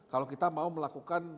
kalau kita mau melakukan